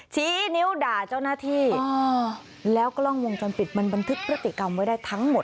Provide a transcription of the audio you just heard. ชี้นิ้วด่าเจ้าหน้าที่แล้วกล้องวงจรปิดมันบันทึกพฤติกรรมไว้ได้ทั้งหมด